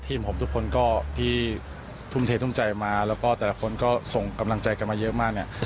ผมทุกคนก็ที่ทุ่มเททุ่มใจมาแล้วก็แต่ละคนก็ส่งกำลังใจกันมาเยอะมากเนี่ย